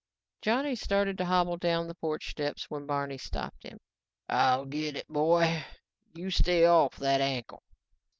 Johnny started to hobble down the porch steps when Barney stopped him. "I'll get it boy, you stay off that ankle."